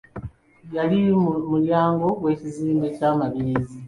Yali mu mulyango gw’ekizimbe kya mabirizi.